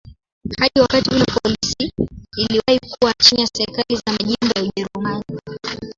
Hadi wakati ule polisi iliwahi kuwa chini ya serikali za majimbo ya Ujerumani.